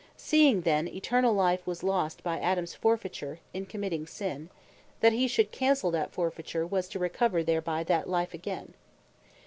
Seeing then Eternall life was lost by Adams forfeiture, in committing sin, he that should cancell that forfeiture was to recover thereby, that Life again.